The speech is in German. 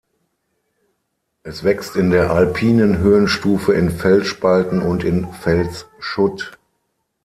Es wächst in der alpinen Höhenstufe in Felsspalten und in Felsschutt.